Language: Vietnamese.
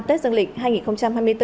tết dân lịch hai nghìn hai mươi bốn